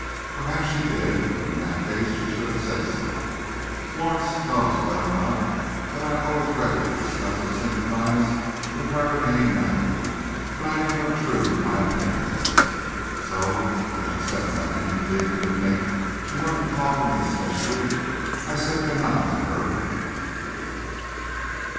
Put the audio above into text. "Perhaps she did; but in that case she should have said so. Florence knows well enough that I am always ready to discuss or sympathize with her in any matter, but I never obtrude my opinions. So as she said nothing to lead me to think she wanted to talk to me especially, I said good night to her."